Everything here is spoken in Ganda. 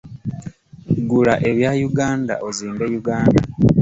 Gula ebya Uganda ozimbe Uganda.